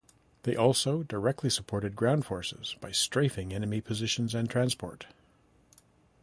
They also directly supported ground forces by strafing enemy positions and transport.